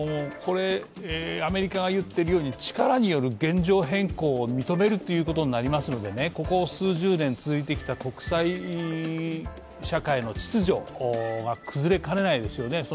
アメリカが言っているように力による現状変更を認めることになりますのでここ数十年続いてきた国際社会の秩序が崩れかねないですよね。